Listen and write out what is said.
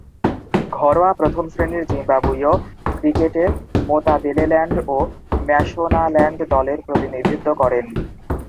ঘরোয়া প্রথম-শ্রেণীর জিম্বাবুয়ীয় ক্রিকেটে মাতাবেলেল্যান্ড ও ম্যাশোনাল্যান্ড দলের প্রতিনিধিত্ব করেন।